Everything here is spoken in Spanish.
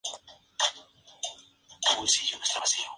Más tarde fue embajador de su país en Italia y Portugal.